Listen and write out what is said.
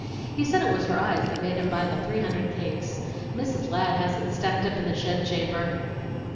He said it was her eyes that made him buy the three hundred cakes. Mrs. Ladd has it stacked up in the shed chamber."